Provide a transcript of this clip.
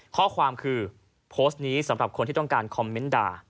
ข้อความคือโพสต์นี้สำหรับคนที่ต้องการคอมเมนต์ด่า